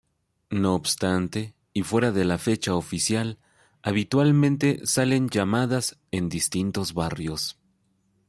No obstante, y fuera de la fecha oficial, habitualmente salen "llamadas" en distintos barrios.